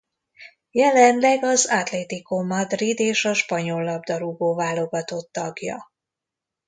Jelenleg az Atlético Madrid és a spanyol labdarúgó-válogatott tagja.